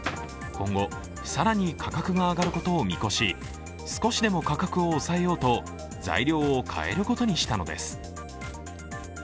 今後、更に価格が上がることを見越し、少しでも価格を抑えようと材料を変えることにしたのです。